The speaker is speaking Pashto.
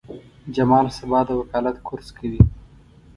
جمال سبا د وکالت کورس کوي.